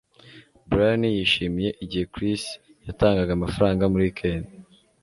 brian yishimiye igihe chris yatangaga amafaranga muri wikendi